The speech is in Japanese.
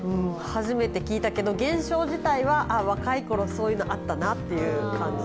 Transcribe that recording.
初めて聞いたけど、減少自体は若いころ、そういうのあったなという感じ。